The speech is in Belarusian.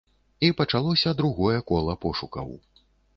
І пачалося другое кола пошукаў.